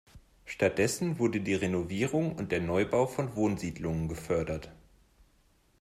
Stattdessen wurden die Renovierung und der Neubau von Wohnsiedlungen gefördert.